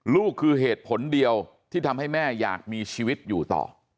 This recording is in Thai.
ลูกคือเหตุผลเดียวที่ทำให้แม่อยากมีชีวิตอยู่ต่อ